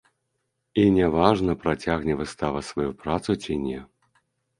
І не важна працягне выстава сваю працу ці не.